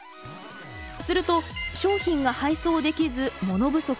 すると商品が配送できずモノ不足に。